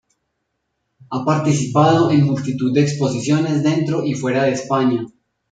Ha participado en multitud de exposiciones dentro y fuera de España.